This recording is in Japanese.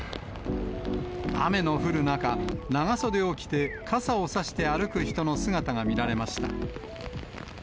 雨の降る中、長袖を着て、傘を差して歩く人の姿が見られました。